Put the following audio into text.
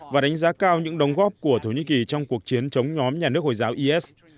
và đánh giá cao những đóng góp của thổ nhĩ kỳ trong cuộc chiến chống nhóm nhà nước hồi giáo is